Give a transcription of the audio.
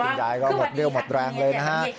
ครับคุณยายมันมัดเร็วหมดแรงเลยนะครับ